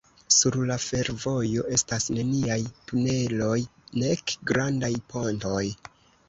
Sur la fervojo estas neniaj tuneloj nek grandaj pontoj.